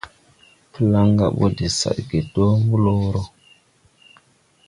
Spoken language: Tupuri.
Plaŋga ɓɔ de sadge dɔɔ blɔɔrɔ.